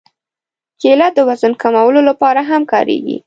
کېله د وزن کمولو لپاره هم کارېږي.